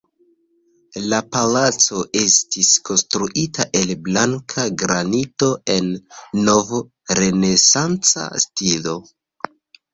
La palaco estis konstruita el blanka granito en nov-renesanca stilo.